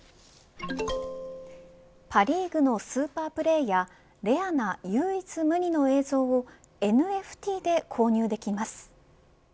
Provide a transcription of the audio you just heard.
パ・リーグのスーパープレーヤーレアな唯一無二の映像をＮＦＴで購入できます。